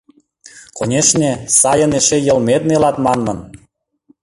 Конешне, сайын, эше йылмет нелат манмын.